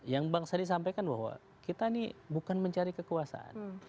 yang bang sadi sampaikan bahwa kita ini bukan mencari kekuasaan